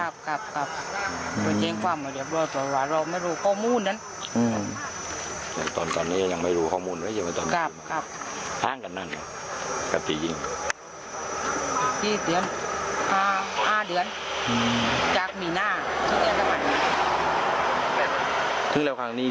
ภูมิข้อบราวเราไม่รู้ข้อมูลนั้น